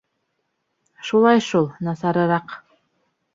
Шулай шул, насарыраҡ.